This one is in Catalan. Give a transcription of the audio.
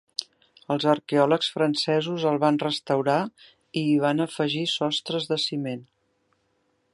Els arqueòlegs francesos el van restaurar i hi van afegir sostres de ciment.